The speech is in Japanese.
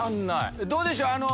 どうでしょう？